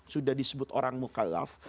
sudah disebut orang mukallaf